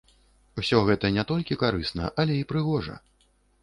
Усё гэта не толькі карысна, але й прыгожа.